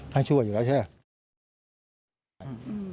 น่าช่วยอยู่แล้วใช่ไหม